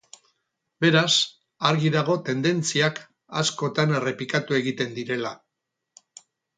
Beraz, argi dago tendentziak askotan errepikatu egiten direla.